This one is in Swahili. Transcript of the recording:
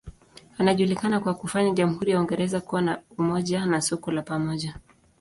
Anajulikana kwa kufanya jamhuri ya Uingereza kuwa na umoja na soko la pamoja.